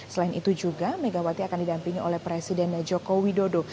selain itu juga megawati akan didampingi oleh presiden joko widodo